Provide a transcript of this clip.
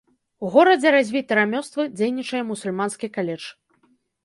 У горадзе развіты рамёствы, дзейнічае мусульманскі каледж.